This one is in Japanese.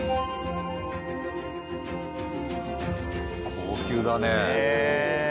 高級だね。